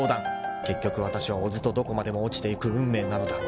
［結局わたしは小津とどこまでも落ちていく運命なのだ］